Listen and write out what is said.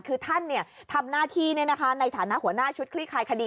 คือท่านทำหน้าที่ในฐานะหัวหน้าชุดคลี่คลายคดี